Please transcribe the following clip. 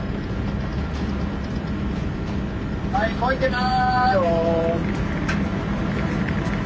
はい動いてます。